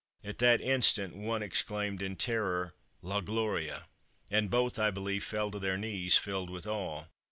At that instant one exclaimed in terror "La Gloria," and both, I believe, fell to their knees, filled with awe.